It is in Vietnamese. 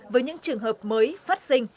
với những trường hợp mới phát sinh